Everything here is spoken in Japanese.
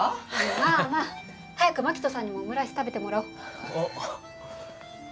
まぁまぁ早くマキトさんにもオムライス食べてもらおうおっ